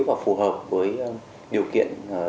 và phù hợp với điều kiện